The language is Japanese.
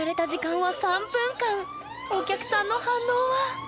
お客さんの反応は？